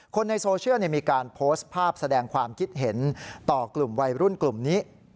คนในโซเชียลมีการโพสต์ภาพแสดงความคิดเห็นต่อกลุ่มวัยรุ่นกลุ่มนี้